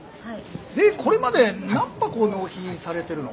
でこれまで何箱納品されてるの？